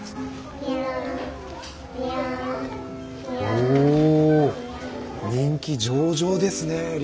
お人気上々ですね竜宮城。